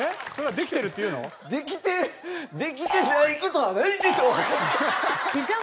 できてできてない事はないでしょう！